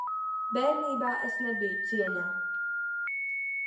Bērnībā es nebiju cieņā.